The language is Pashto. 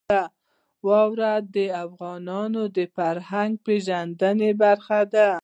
واوره د افغانانو د فرهنګي پیژندنې برخه ده.